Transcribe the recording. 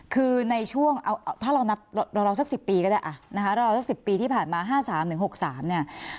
คือในช่วงถ้าเรานับรำสัก๑๐ปีก็ได้